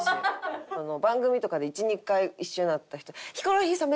番組とかで１２回一緒になった人「ヒコロヒーさん